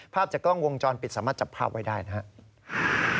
ภาพจากกล้องวงจรปิดสามารถจับภาพไว้ได้นะครับ